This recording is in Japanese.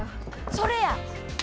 それや！